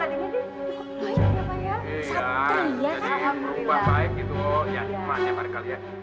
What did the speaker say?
terima kasih ya mbak